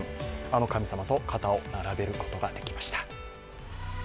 あの神様と肩を並べることができました。